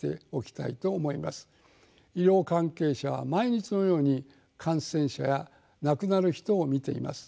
医療関係者は毎日のように感染者や亡くなる人を見ています。